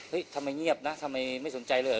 ทำไมเงียบนะทำไมไม่สนใจเลย